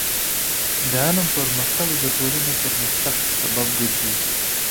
د علم پرمختګ د ټولنې پرمختګ سبب ګرځي.